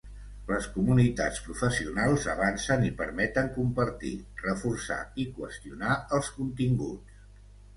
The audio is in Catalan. Les comunitats professionals avancen i permeten compartir, reforçar i qüestionar els continguts.